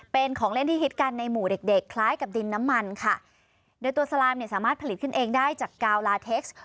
เป็นของเล่นที่ฮิตกันในหมู่เด็กเด็กคล้ายกับดินน้ำมันค่ะโดยตัวสลามเนี่ยสามารถผลิตขึ้นเองได้จากกาวลาเท็กซ์